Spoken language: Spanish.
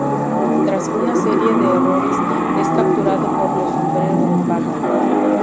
Tras una serie de errores, es capturado por los Sombrero de paja.